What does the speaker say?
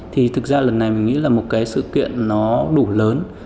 thì thực ra lần này mình nghĩ là một cái sự kiện nó đủ lớn